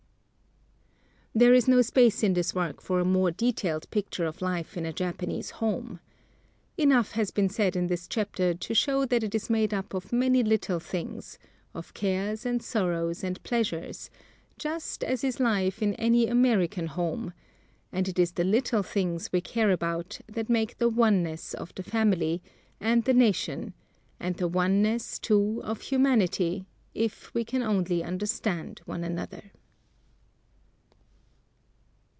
There is no space in this work for a more detailed picture of life in a Japanese home. Enough has been said in this chapter to show that it is made up of many little things, of cares and sorrows and pleasures, just as is life in any American home, and it is the little things we care about that make the oneness of the family, and the nation, and the oneness, too, of humanity, if we can only understand one another.